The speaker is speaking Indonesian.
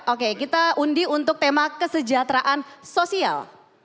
oke kita undi untuk tema kesejahteraan sosial